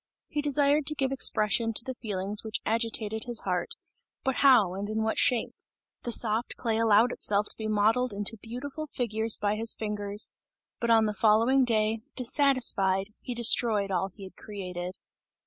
He desired to give expression to the feelings which agitated his heart; but how and in what shape? The soft clay allowed itself to be modeled into beautiful figures by his fingers, but on the following day, dissatisfied, he destroyed all he had created.